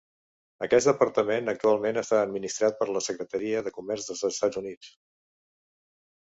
Aquest departament actualment està administrat per la Secretaria de Comerç dels Estats Units.